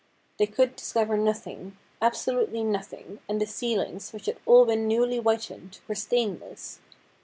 They could discover nothing, absolutely nothing, and the ceilings, which had all been newly whitened, were stainless.